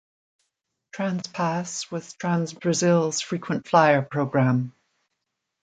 TransPass was Transbrasil's Frequent-flyer program.